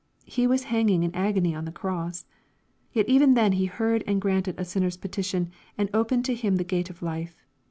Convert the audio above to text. He was hanging in agony on the cross. Yet even then He heard and granted a sin ner's petition, and opened to him the gate of life.